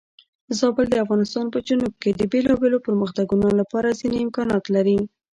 زابل د افغانستان په جنوب کې د بېلابېلو پرمختګونو لپاره ځینې امکانات لري.